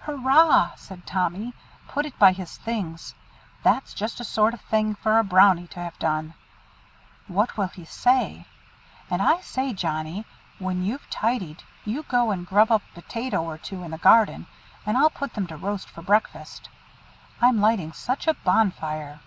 "Hurrah!" said Tommy, "put it by his things. That's just a sort of thing for a Brownie to have done. What will he say? And I say, Johnnie, when you've tidied, just go and grub up a potato or two in the garden, and I'll put them to roast for breakfast. I'm lighting such a bonfire!"